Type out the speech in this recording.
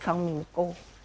xong mình cô